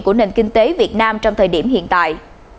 của nền kinh tế việt nam trong thời điểm hiện tại